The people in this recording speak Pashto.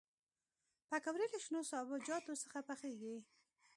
پکورې له شنو سابهجاتو سره پخېږي